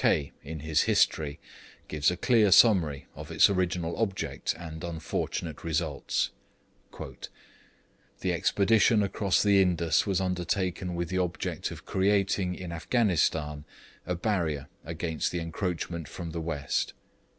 Kaye in his 'History' gives a clear summary of its original object and unfortunate results: 'The expedition across the Indus was undertaken with the object of creating in Afghanistan a barrier against encroachment from the west.'